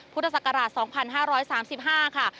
พุทธศักราช๒๕๓๕ค่ะ